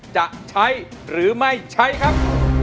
จะใช้หรือไม่ใช้ครับ